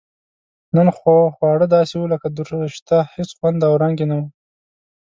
نن خو خواړه داسې و لکه دورسشته هېڅ خوند او رنګ یې نه و.